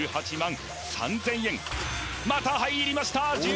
１８３０００円また入りました